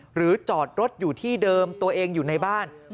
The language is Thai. จอดรถอยู่ที่เดิมตัวเองอยู่ในบ้าน